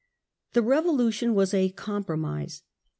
The Revolution was a compromise.